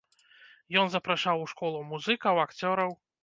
Ён запрашаў у школу музыкаў, акцёраў.